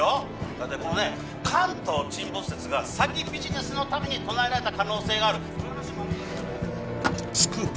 だいたいこのね関東沈没説が詐欺ビジネスのために唱えられた可能性があるスクープ